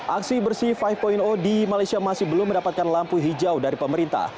aksi bersih lima di malaysia masih belum mendapatkan lampu hijau dari pemerintah